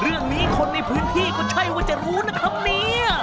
เรื่องนี้คนในพื้นที่ก็ใช่ว่าจะรู้นะครับเนี่ย